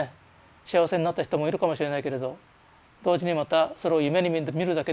幸せになった人もいるかもしれないけれど同時にまたそれを夢にみるだけでですね